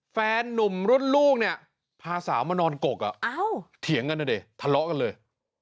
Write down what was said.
แฟนนุ่มรุ่นลูกเนี่ยพาสาวมานอนกกเถียงกันนะดิทะเลาะกันเลย